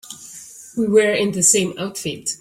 We were in the same outfit.